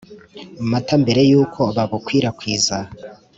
Mata mbere yuko babukwirakwiza